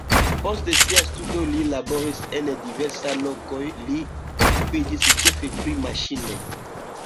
Post siaj studoj li laboris en diversaj lokoj, li okupiĝis ĉefe pri maŝinoj.